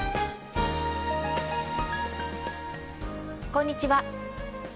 こんにちは。